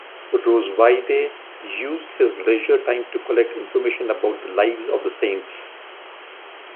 Rosweyde used his leisure time to collect information about the lives of the saints.